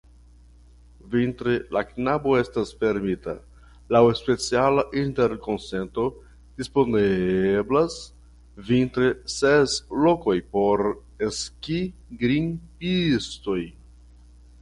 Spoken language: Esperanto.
Vintre la kabano estas fermita; laŭ speciala interkonsento disponeblas vintre ses lokoj por skigrimpistoj.